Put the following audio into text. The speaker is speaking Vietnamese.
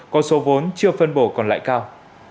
có số vốn chưa phân bổ còn lại cao